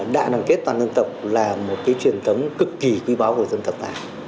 đại đoàn kết toàn dân tộc là một truyền thống cực kỳ quý báo của dân tộc ta